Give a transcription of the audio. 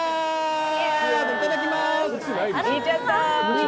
いただきます！